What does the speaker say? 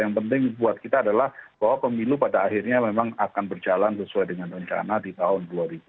yang penting buat kita adalah bahwa pemilu pada akhirnya memang akan berjalan sesuai dengan rencana di tahun dua ribu dua puluh